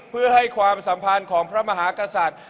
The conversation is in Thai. เพื่อให้ความสัมพันธ์ของพระมหากษัตริย์